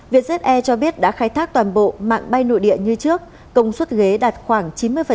vietjet air cho biết đã khai thác toàn bộ mạng bay nội địa như trước công suất ghế đạt khoảng chín mươi